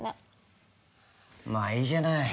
まあいいじゃない。